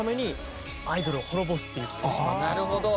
なるほど！